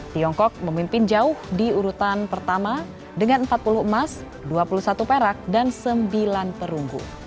tiongkok memimpin jauh di urutan pertama dengan empat puluh emas dua puluh satu perak dan sembilan perunggu